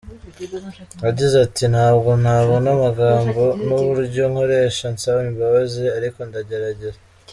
Yagize ati: “Ntabwo nabona amagambo n’uburyo nkoresha nsaba imbabazi ariko ndagerageza.